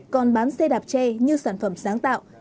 còn bán xe đạp tre như sản phẩm sáng tạo